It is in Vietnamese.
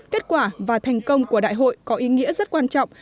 kết quả và thành công của đại hội có ý nghĩa rất quan trọng